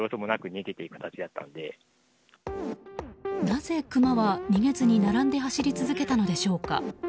なぜクマは、逃げずに並んで走り続けたのでしょうか。